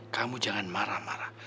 kamu jangan marah marah